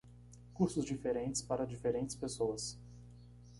Cursos diferentes para diferentes pessoas.